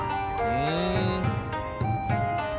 うん。